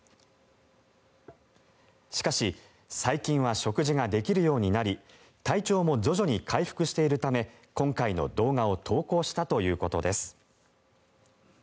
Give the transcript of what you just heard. しかし、最近は食事ができるようになり体調も徐々に回復しているため今回の動画を投稿したということです。